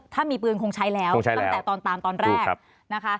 ถ้ามีปืนคงใช้แล้วตั้งแต่ตอนตามตอนแรกนะคะ